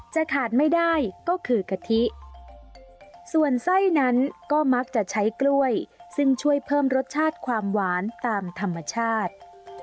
จะขาดไม่ได้ก็คือกะทิส่วนไส้นั้นก็มักจะใช้กล้วยซึ่งช่วยเพิ่มรสชาติความหวานตามธรรมชาติ